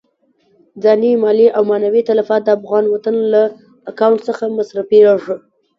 ځاني، مالي او معنوي تلفات د افغان وطن له اکاونټ څخه مصرفېږي.